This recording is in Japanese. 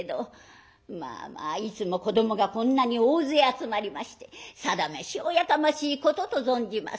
まあまあいつも子どもがこんなに大勢集まりましてさだめしおやかましいことと存じます」。